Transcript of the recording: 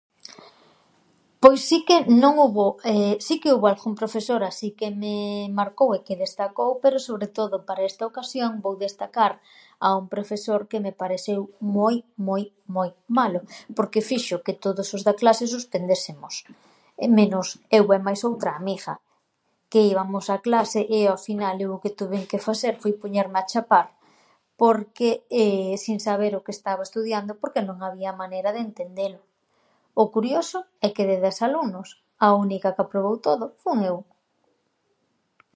Pois si que non houbo si que houbo alghún profesor así que me marcou e que destacou, pero, sobre todo, para esta ocasión, vou destacar a un profesor que me pareseu moi moi moi malo porque fixo que todos os da clase suspendésemos, menos eu e mais outra amigha que íbamos a clase e ao final eu o que tuven que faser foi poñerme a chapar porque sin saber o que estaba estudiando porque non había manera de entendelo. O curioso é que de des alumnos, a única que aprobou todo fun eu.